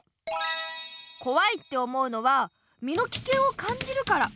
こわいって思うのは身のきけんをかんじるから！